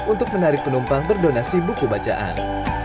untuk menarik penumpang berdonasi buku bacaan